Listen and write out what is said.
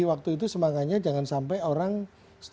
waktu itu semangatnya jangan sampai orang orang yang menggunakan itu